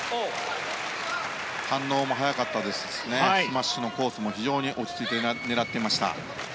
反応も速かったですしスマッシュのコースも非常に落ち着いて狙ってました。